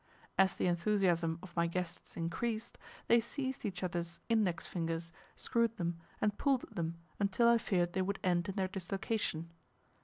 As the enthusiasm of my guests increased, they seized each other's index fingers, screwed them, and pulled at them until I feared they would end in their dislocation.